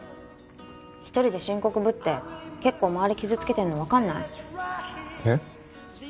一人で深刻ぶってけっこうまわり傷つけてんの分かんない？えッ？